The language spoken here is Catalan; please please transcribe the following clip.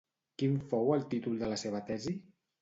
Quin fou el títol de la seva tesi?